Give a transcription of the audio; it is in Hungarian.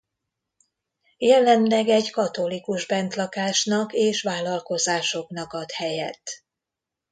Jelenleg egy katolikus bentlakásnak és vállalkozásoknak ad helyet.